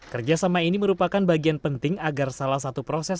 kerjasama ini merupakan bagian penting agar salah satu proses